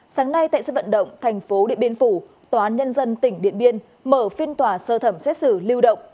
sáng nay tại sân vận động thành phố điện biên phủ tòa án nhân dân tỉnh điện biên mở phiên tòa sơ thẩm xét xử lưu động